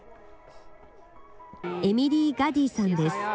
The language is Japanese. エミリー・ガディさんです。